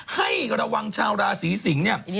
ให้ระวังชาวราศีสิงศ์เนี่ย